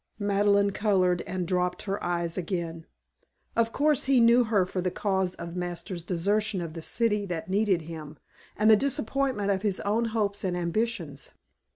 Madeleine colored and dropped her eyes again. Of course he knew her for the cause of Masters' desertion of the city that needed him, and the disappointment of his own hopes and ambitions.